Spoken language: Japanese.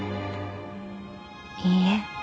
［いいえ。